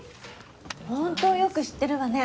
本当よく知ってるわね。